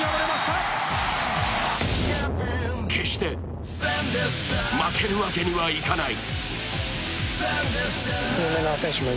決して負けるわけにはいかない。